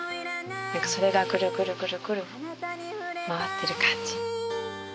何かそれがぐるぐるぐるぐる回ってる感じ。